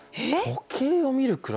時計を見る暮らし？